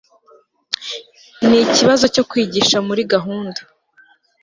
nikibazo cyo kwigisha muri gahunda